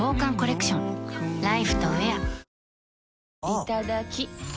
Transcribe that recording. いただきっ！